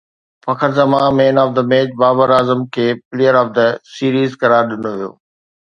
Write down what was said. فخر Zaman man of the match Babar Azam کي player of the series قرار ڏنو ويو